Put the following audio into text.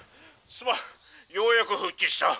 すまんようやく復帰した」。